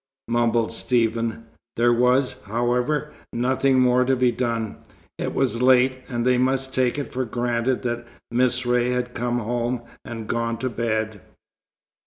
mumbled Stephen. There was, however, nothing more to be done. It was late, and they must take it for granted that Miss Ray had come home and gone to bed.